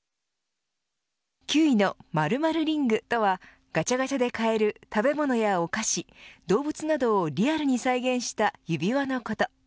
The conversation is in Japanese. ９位の○○リングとはガチャガチャで買える食べ物やお菓子動物などをリアルに再現した指輪のこと。